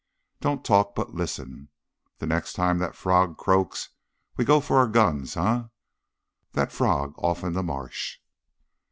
Don't talk, but listen. The next time that frog croaks we go for our guns, eh? That frog off in the marsh!"